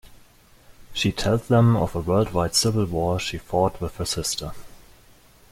She tells them of a worldwide civil war she fought with her sister.